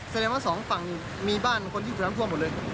แสดงว่าสองฝั่งมีบ้านคนที่อยู่น้ำท่วมหมดเลย